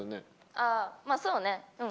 ああまあそうねうん。